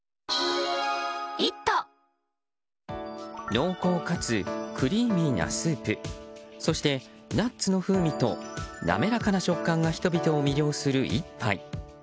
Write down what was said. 濃厚かつクリーミーなスープそして、ナッツの風味と滑らかな食感が人々を魅了する１杯。